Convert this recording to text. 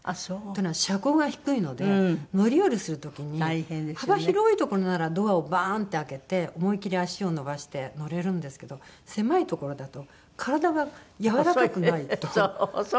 というのは車高が低いので乗り降りする時に幅広い所ならドアをバーンって開けて思いっきり足を伸ばして乗れるんですけど狭い所だと体がやわらかくないと。